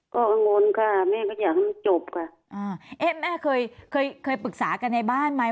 ก็กังวลค่ะแม่ก็อยากให้มันจบค่ะอ่าเอ๊ะแม่เคยเคยเคยปรึกษากันในบ้านไหม